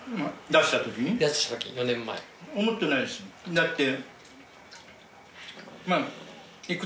だって。